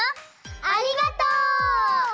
ありがとう！